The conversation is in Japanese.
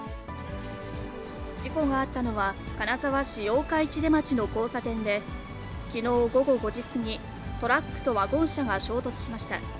事故があったのは、金沢市八日市出町の交差点で、きのう午後５時過ぎ、トラックとワゴン車が衝突しました。